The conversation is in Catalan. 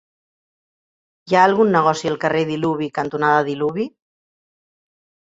Hi ha algun negoci al carrer Diluvi cantonada Diluvi?